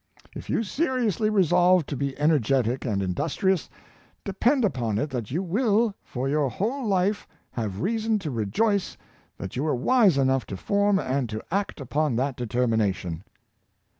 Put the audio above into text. If you seriously resolve to be energetic and industrious, depend upon it that you will for your whole life have reason to re joice that you were wise enough to form and to act upon that determination."